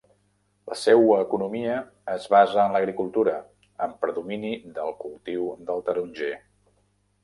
La seua economia es basa en l'agricultura, amb predomini del cultiu del taronger.